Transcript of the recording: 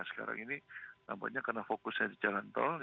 sekarang ini nampaknya karena fokusnya di jalan tol